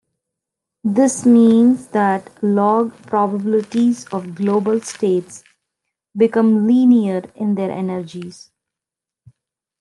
This means that log-probabilities of global states become linear in their energies.